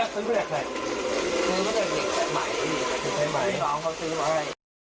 ซึ่งพี่น้องเขาซื้ออะไร